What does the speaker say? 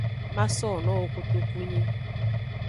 Ma sowo nowo kotunyi.